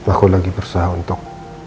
aku lagi berusaha untuk